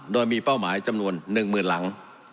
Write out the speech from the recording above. โดยมีเป้าหมายจำนวน๑๐๐๐หลัง